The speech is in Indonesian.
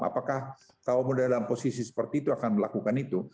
apakah kamu dalam posisi seperti itu akan melakukan itu